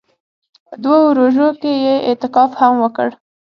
په دوو روژو کښې يې اعتکاف هم وکړ.